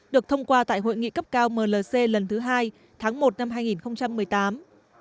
được thông qua tại hội nghị cấp cao mlc lần thứ hai tháng một năm hai nghìn một mươi tám